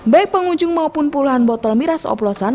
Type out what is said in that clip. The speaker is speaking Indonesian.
baik pengunjung maupun puluhan botol miras oplosan